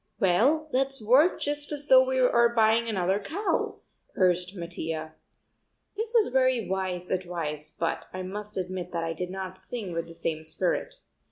"Well, let's work just as though we are buying another cow," urged Mattia. This was very wise advice but I must admit that I did not sing with the same spirit.